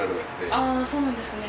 ああーそうなんですね。